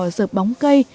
dợp bóng cây